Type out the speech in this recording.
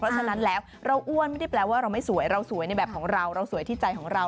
เพราะฉะนั้นแล้วเราอ้วนไม่ได้แปลว่าเราไม่สวยเราสวยในแบบของเราเราสวยที่ใจของเรา